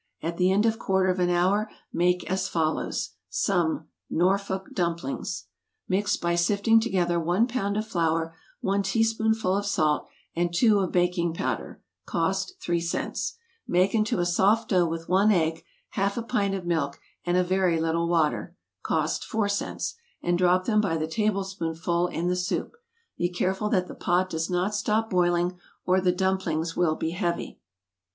At the end of quarter of an hour make as follows some =Norfolk Dumplings.= Mix by sifting together one pound of flour, one teaspoonful of salt, and two of baking powder, (cost three cents;) make into a soft dough with one egg, half a pint of milk and a very little water, (cost four cents,) and drop them by the tablespoonful in the soup; be careful that the pot does not stop boiling, or the dumplings will be heavy.